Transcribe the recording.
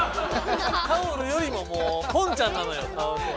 タオルよりももうポンちゃんなのよカワウソは。